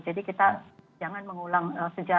jadi kita jangan mengulang sejauh